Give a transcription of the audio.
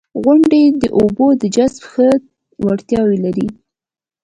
• غونډۍ د اوبو د جذب ښه وړتیا لري.